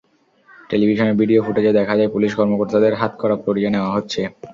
টেলিভিশনের ভিডিও ফুটেজে দেখা যায়, পুলিশ কর্মকর্তাদের হাতকড়া পরিয়ে নেওয়া হচ্ছে।